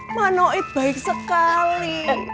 manoit baik sekali